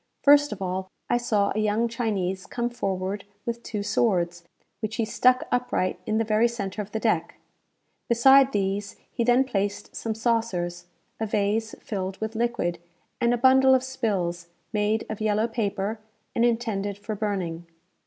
First of all, I saw a young Chinese come forward with two swords, which he stuck upright in the very centre of the deck. Beside these he then placed some saucers, a vase filled with liquid, and a bundle of spills, made of yellow paper, and intended for burning.